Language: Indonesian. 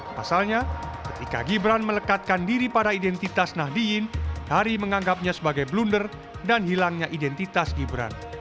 pasalnya ketika gibran melekatkan diri pada identitas nahdiyin hari menganggapnya sebagai blunder dan hilangnya identitas gibran